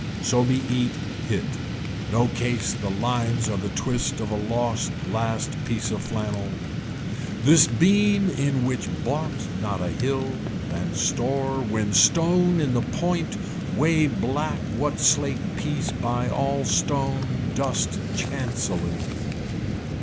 So be eat hit. No case the lines are the twist of a lost last piece of flannel. This beam in which bought not a hill than store when stone in the point way black what slate piece by all stone dust chancely.